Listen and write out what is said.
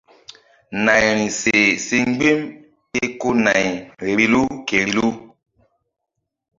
Nayri seh si mgbi̧m ke ko nay vbilu ke vbilu.